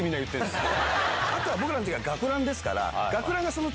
あとは僕らの時は学ランですから。